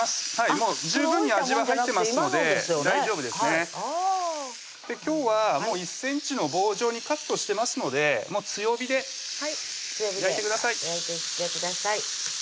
もう十分に味は入ってますので大丈夫ですね今日はもう１ｃｍの棒状にカットしてますので強火で焼いてください焼いていってください